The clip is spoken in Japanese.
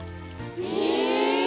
へえ。